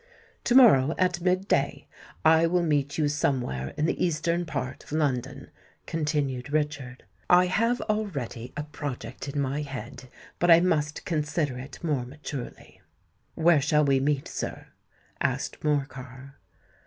"To morrow, at mid day, I will meet you somewhere in the eastern part of London," continued Richard. "I have already a project in my head; but I must consider it more maturely." "Where shall we meet, sir?" asked Morcar.